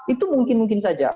itu mungkin mungkin saja